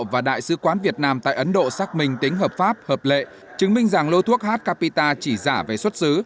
và đại sứ quán việt nam tại ấn độ xác minh tính hợp pháp hợp lệ chứng minh rằng lô thuốc h capita chỉ giả về xuất xứ